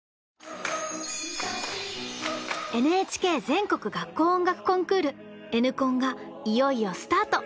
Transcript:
ＮＨＫ全国学校音楽コンクール「Ｎコン」がいよいよスタート！